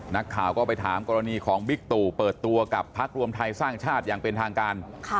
นักข่าวก็ไปถามกรณีของบิ๊กตู่เปิดตัวกับพักรวมไทยสร้างชาติอย่างเป็นทางการ